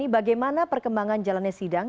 bagaimana perkembangan jalannya sidang